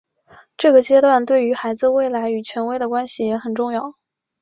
这个阶段对于孩子未来与权威的关系也很重要。